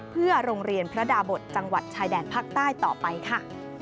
เพื่อโรงเรียนพระดาบทจังหวัดชายแดนภาคใต้ต่อไปค่ะ